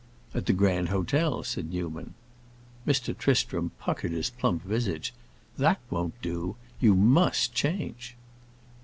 "At the Grand Hotel," said Newman. Mr. Tristram puckered his plump visage. "That won't do! You must change."